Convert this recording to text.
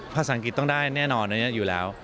ภาษาอังกฤษต้องได้แน่นอนเยอะอยู่แล้ว